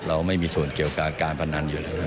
ไม่มีส่วนเกี่ยวกับการพนันอยู่แล้ว